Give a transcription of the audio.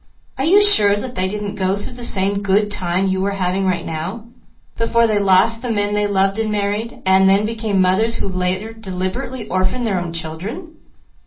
"Are you sure that they didn't go through the same 'good time' you are having right now, before they lost the men they loved and married, and then became mothers who later deliberately orphaned their own children?"